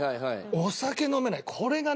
お酒飲めないこれがね